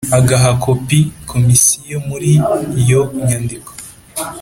agaha kopi Komisiyo Muri iyo nyandiko